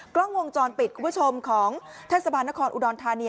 กล้องวงจรปิดคุณผู้ชมของแทนสบานคลอูดรทานเนี่ย